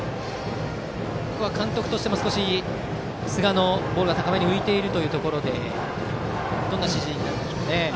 監督としても少し寿賀のボールが高めに浮いているということでどんな指示になるでしょうね。